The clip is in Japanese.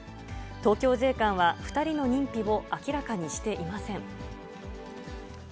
東京税関は、２人の認否を明らかにしていません。